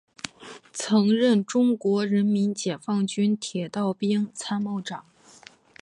曾任中国人民解放军铁道兵参谋长。